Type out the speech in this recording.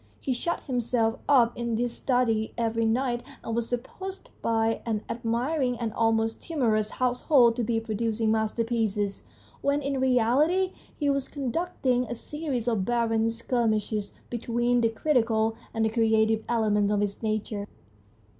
He shut himself up in his study every night, and was supposed by an admiring and almost timorous household to be producing masterpieces, when in reality he was conduct ing a series of barren skirmishes between the critical and the creative elements of his nature.